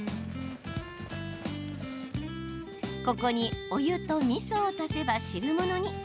ここにお湯とみそを足せば汁物に。